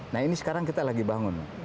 nah ini sekarang kita lagi bangun